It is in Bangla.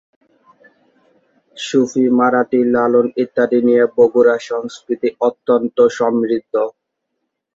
সুফি, মারাঠি, লালন ইত্যাদি নিয়ে বগুড়ার সংস্কৃতি অত্যন্ত সমৃদ্ধ।